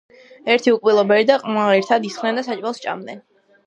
ერთი უკბილო ბერი და ყრმა ერთად ისხდენ და საჭმელს სჭამდნენ.